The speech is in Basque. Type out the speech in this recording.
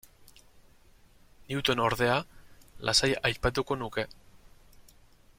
Newton, ordea, lasai aipatuko nuke.